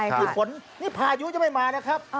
คือฝนนี่พายุยังไม่มานะครับ